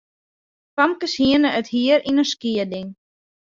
Famkes hiene it hier yn in skieding.